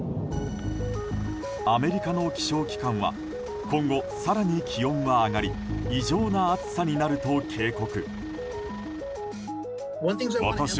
アメリカの気象機関は今後、更に気温は上がり異常な暑さになると警告。